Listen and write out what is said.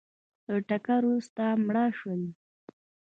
له ټکر وروسته مړه شول